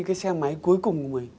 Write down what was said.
cái xe máy cuối cùng của mình